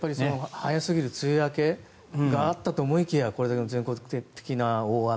早すぎる梅雨明けがあったと思いきやこれだけの全国的な大雨。